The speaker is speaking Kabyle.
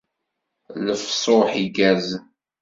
Lefṣuḥ igerrzen.